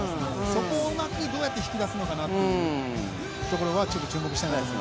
そこをうまくどうやって引き出すのかなというところは注目したいと思います。